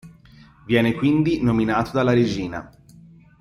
Viene quindi nominato dalla regina.